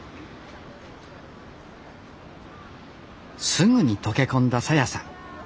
すぐに溶け込んだ沙耶さん。